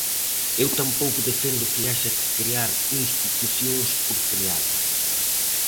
Eu tampouco defendo que haxa que crear institucións por crealas.